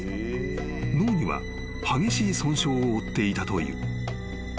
［脳には激しい損傷を負っていたという］